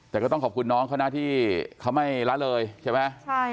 แต่ก็ต้องขอบคุณน้องเขานะที่เขาไม่ละเลยใช่ไหม